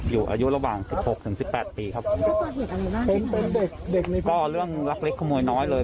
อยู่อายุระหว่างสิบหกถึงสิบแปดปีครับก็เรื่องรักเล็กขโมยน้อยเลย